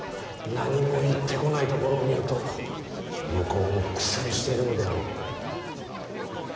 何も言ってこないところを見ると向こうも苦戦しているのであろう。